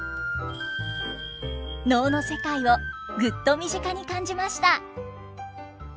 能の世界をぐっと身近に感じました。